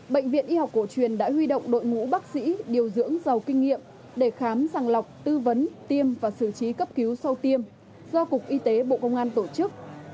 bệnh viện y học cổ truyền đã huy động đội ngũ bác sĩ điều dưỡng giàu kinh nghiệm để khám sàng lọc tư vấn tiêm và xử trí cấp cứu sau tiêm do cục y tế bộ công an tổ chức